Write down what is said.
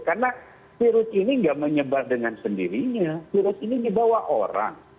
karena virus ini tidak menyebar dengan sendirinya virus ini dibawa orang